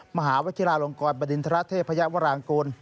มหาวชิลาลงกรบดินทรเทพยาวรางกูล